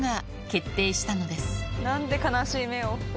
何て悲しい目を。